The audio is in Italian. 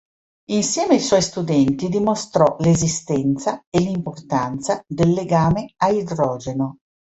Insieme ai suoi studenti dimostrò l'esistenza e l'importanza del legame a idrogeno.